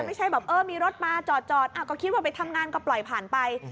ไม่ใช่แบบเออมีรถมาจอดก็คิดว่าไปทำงานก็ปล่อยผ่านไป